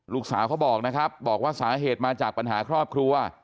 เขาบอกนะครับบอกว่าสาเหตุมาจากปัญหาครอบครัว